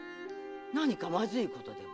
何かまずいことでも？